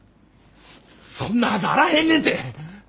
そんなはずあらへんねんて！